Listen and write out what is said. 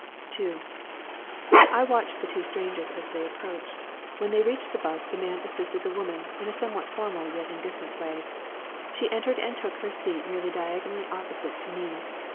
II I watched the two strangers as they approached. When they reached the 'bus the man assisted the woman, in a somewhat formal yet indifferent way. She entered and took her seat nearly diagonally opposite to me.